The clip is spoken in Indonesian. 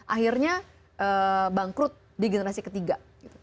akhirnya bangkrut di generasi ketiga